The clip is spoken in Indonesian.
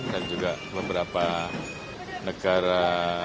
dan juga beberapa negara